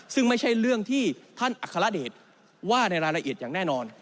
ซึ่งไม่ใช่เรื่องที่ท่านอัครเดชว่าในรายละเอียดอย่างแน่นอน